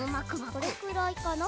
これくらいかな？